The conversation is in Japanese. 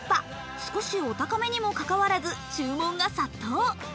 少しお高めにも関わらず注文が殺到。